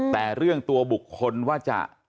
แต่เรื่องตัวบุคคลว่าจะ